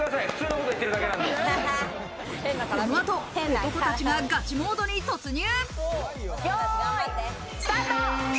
この後、男たちがガチモードに突入。